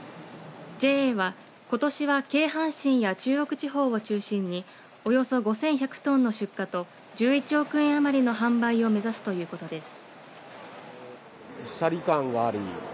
ＪＡは、ことしは京阪神や中国地方を中心におよそ５１００トンの出荷と１１億円余りの販売を目指すということです。